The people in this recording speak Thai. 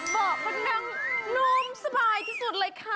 บอกผู้แดงงุมสบายที่สุดเลยค่ะ